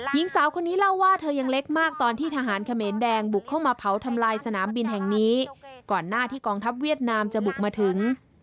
หญิงสาวคนนี้เล่าว่าเธอยังเล็กมากตอนที่ทหารเขมรแดงบุกเข้ามาเผาทำลายสนามบินแห่งนี้ก่อนหน้าที่กองทัพเวียดนามจะบุกมาถึง